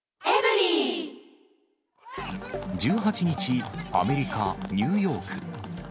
１８日、アメリカ・ニューヨーク。